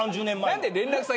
３０年前。